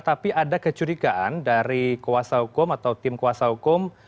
tapi ada kecurigaan dari kuasa hukum atau tim kuasa hukum